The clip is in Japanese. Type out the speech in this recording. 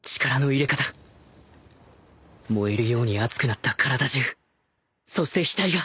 燃えるように熱くなった体中そして額が